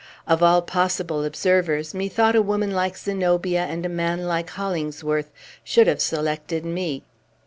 Of all possible observers, methought a woman like Zenobia and a man like Hollingsworth should have selected me.